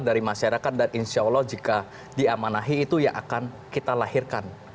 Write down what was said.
saya rasa kan dan insya allah jika diamanahi itu ya akan kita lahirkan